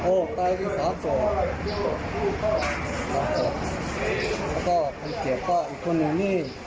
โหตายไป๓ส่วนแล้วก็คนเสียบต้นอีกคนหนึ่งนี่